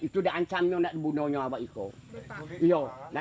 itu adalah ancaman untuk membunuh anda